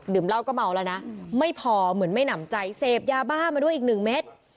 เหล้าก็เมาแล้วนะไม่พอเหมือนไม่หนำใจเสพยาบ้ามาด้วยอีกหนึ่งเม็ด